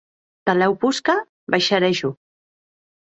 Tanlèu posca baisharè jo.